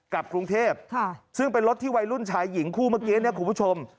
กลับกรุงเทพซึ่งเป็นรถที่วัยรุ่นชายหญิงคู่เมื่อกี้เนี่ยคุณผู้ชม